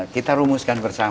kita rumuskan bersama